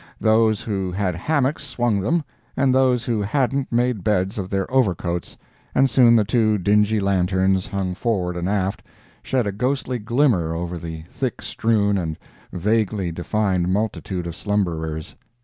Those who had hammocks swung them, and those who hadn't made beds of their overcoats, and soon the two dingy lanterns, hung forward and aft, shed a ghostly glimmer over the thick strewn and vaguely defined multitude of slumberers.